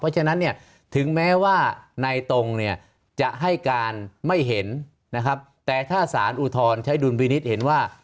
เพราะฉะนั้นถึงแม้ว่าในตรงจะให้การไม่เห็นแต่ถ้าสารอุทธรณ์ใช้ดุลพินิตเห็นว่า